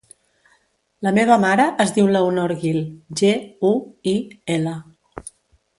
La meva mare es diu Leonor Guil: ge, u, i, ela.